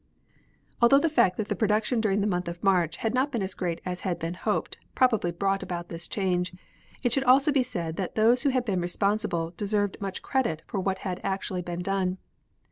Although the fact that production during the month of March had not been as great as had been hoped probably brought about this change, it should also be said that those who had been responsible deserved much credit for what had actually been done.